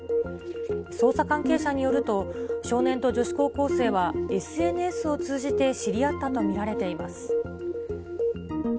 捜査関係者によると、少年と女子高校生はＳＮＳを通じて知り合ったと見られています。